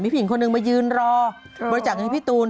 มีผู้หญิงคนหนึ่งมายืนรอบริจักษณ์กับพี่ตูน